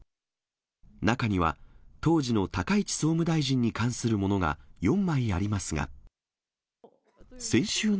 中には、当時の高市総務大臣に関するものが４枚ありますが。